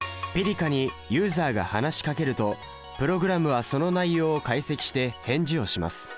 「−ｐｉｒｋａ−」にユーザーが話しかけるとプログラムはその内容を解析して返事をします。